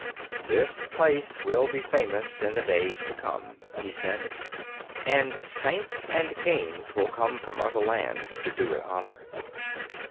"This place will be famous in the days to come," he said, "and saints and kings will come from other lands to do it honour."